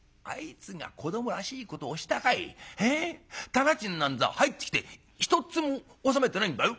店賃なんざ入ってきてひとっつも納めてないんだよ。